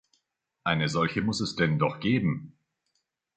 Eine solche muß es denn doch geben!